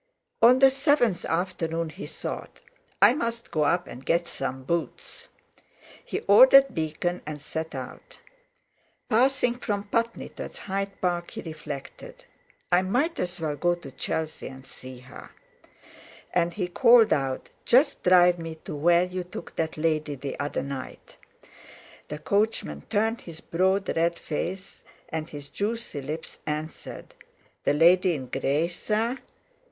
On the seventh afternoon he thought: "I must go up and get some boots." He ordered Beacon, and set out. Passing from Putney towards Hyde Park he reflected: "I might as well go to Chelsea and see her." And he called out: "Just drive me to where you took that lady the other night." The coachman turned his broad red face, and his juicy lips answered: "The lady in grey, sir?"